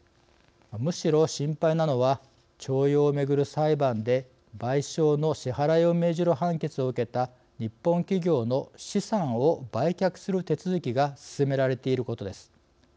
むしろ心配なのは徴用をめぐる裁判で賠償の支払いを命じる判決を受けた日本企業の資産を売却する手続きが進められていることです。